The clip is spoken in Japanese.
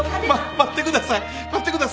待ってください。